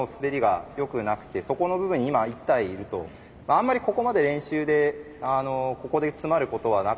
あんまりここまで練習でここで詰まることはなか。